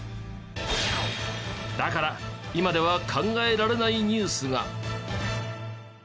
だから今では考えられないニュースが。